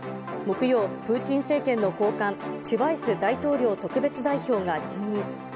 木曜、プーチン政権の高官、チュバイス大統領特別代表が辞任。